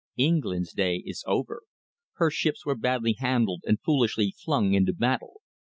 England's day is over. Her ships were badly handled and foolishly flung into battle.